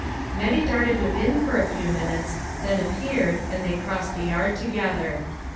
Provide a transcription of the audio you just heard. Nettie darted within for a few minutes,'then appeared, and they crossed the yard together.